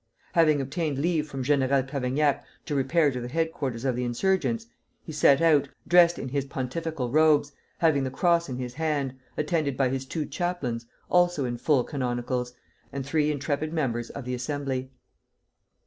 Having obtained leave from General Cavaignac to repair to the headquarters of the insurgents, he set out, dressed in his pontifical robes, having the cross in his hand, attended by his two chaplains, also in full canonicals, and three intrepid members of the Assembly.